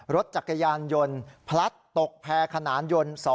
รถจักรยานยนต์พลัดตกแพร่ขนานยนต์